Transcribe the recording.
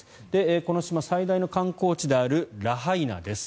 この島最大の観光地であるラハイナです。